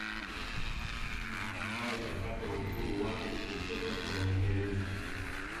Na hatimaye likapata uhuru wake kutoka kwa waingereza